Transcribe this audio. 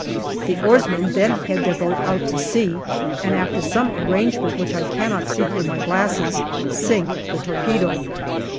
The oarsmen then head their boat out to sea, and, after some arrangement which I cannot see through my glasses, sink the torpedo.